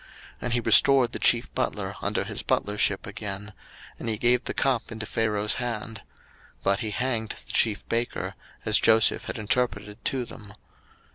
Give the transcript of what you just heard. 01:040:021 And he restored the chief butler unto his butlership again; and he gave the cup into Pharaoh's hand: 01:040:022 But he hanged the chief baker: as Joseph had interpreted to them.